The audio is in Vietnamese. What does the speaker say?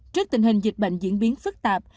trước tình hình dịch bệnh diễn biến phức tạp